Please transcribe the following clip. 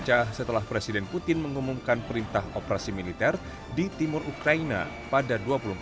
tapi alasan yangstepannya